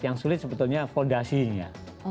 yang sulit sebetulnya fondasinya